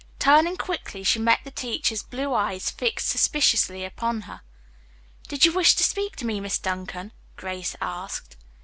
Turning quickly, she met the teacher's blue eyes fixed suspiciously upon her. "Did you wish to speak to me, Miss Duncan?" Grace asked.